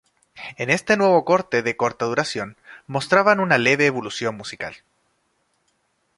En este nuevo corte de corta duración, mostraban una leve evolución musical.